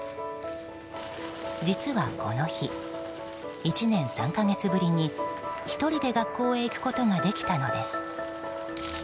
実はこの日、１年３か月ぶりに１人で学校へ行くことができたのです。